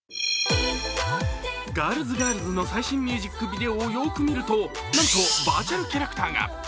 Ｇｉｒｌｓ２の最新ミュージックビデオをよく見ると、なんとバーチャルキャラクターが。